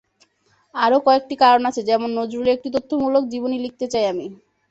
আরও কয়েকটি কারণ আছে—যেমন, নজরুলের একটি তথ্যমূলক জীবনী লিখতে চাই আমি।